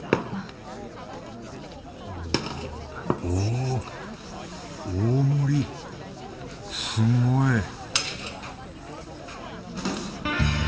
お大盛りすんごい